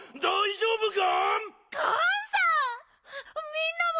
みんなも！